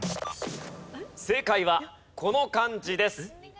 正解はこの漢字です。